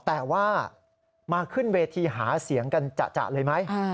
แต่ว่ามาขึ้นเวทีหาเสียงกันจะเลยไหม